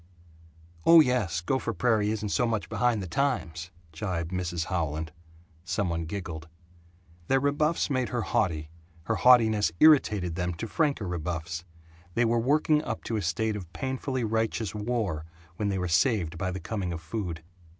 "Oh yes, Gopher Prairie isn't so much behind the times," gibed Mrs. Howland. Some one giggled. Their rebuffs made her haughty; her haughtiness irritated them to franker rebuffs; they were working up to a state of painfully righteous war when they were saved by the coming of food.